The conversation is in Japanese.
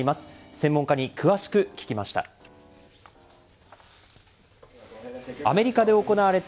専門家に詳しく聞きました。